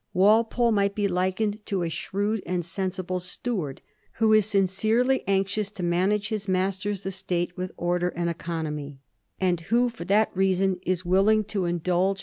Walpole might be likened to a shrewd and sensible steward who is sincerely anxious i>o manage his master's estate with order and economy, and who, for that very reason, is willing to indulge Digiti zed by Google 1717.